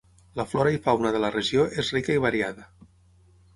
La flora i fauna de la regió és rica i variada.